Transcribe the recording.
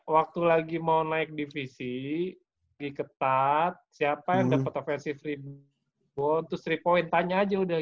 waktu lagi mau naik divisi lagi ketat siapa yang dapet versi free ball terus tiga point tanya aja udah